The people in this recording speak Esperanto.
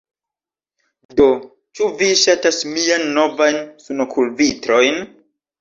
Do, ĉu vi ŝatas miajn novajn sunokulvitrojn